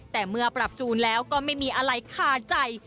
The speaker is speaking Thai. แต่เมื่อปรับจูนแล้วก็ไม่มีอะไรคาใจ